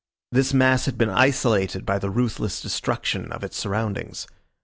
This mass had been isolated by the ruthless destruction of its surroundings.